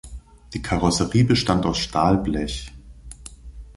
Die Karosserie bestand aus Stahlblech.